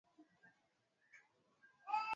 mara nyingi hata wanahabari nao huwa wanashawishika